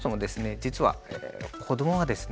実は子どもはですね